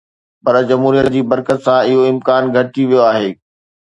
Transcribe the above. پر جمهوريت جي برڪت سان اهو امڪان گهٽجي ويو آهي.